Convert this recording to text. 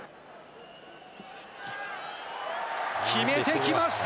決めてきました！